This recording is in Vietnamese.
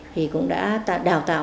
thì cũng đã đào tạo